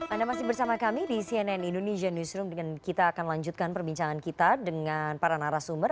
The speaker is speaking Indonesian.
anda masih bersama kami di cnn indonesia newsroom dengan kita akan lanjutkan perbincangan kita dengan para narasumber